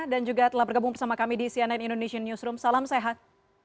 dan juga telah bergabung bersama kami di cnn indonesian newsroom salam sehat